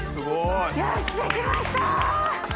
森川）よしできました！